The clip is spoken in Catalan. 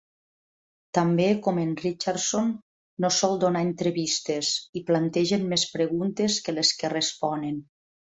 També com en Richardson, no sol donar entrevistes i plantegen més preguntes que les que responen.